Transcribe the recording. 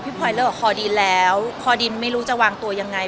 พลอยเลิกกับคอดินแล้วคอดินไม่รู้จะวางตัวยังไง